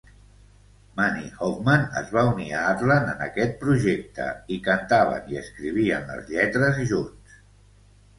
Mani Hoffman es va unir a Atlan en aquest projecte i cantaven i escrivien les lletres junts.